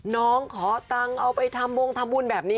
น้องขอตังค์เอาไปทำวงทำบุญแบบนี้